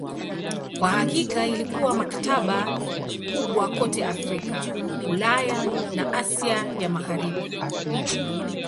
Kwa hakika ilikuwa maktaba kubwa kote Afrika, Ulaya na Asia ya Magharibi.